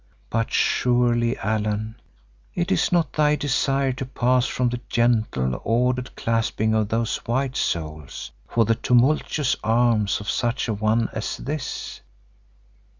But surely, Allan, it is not thy desire to pass from the gentle, ordered claspings of those white souls for the tumultuous arms of such a one as this.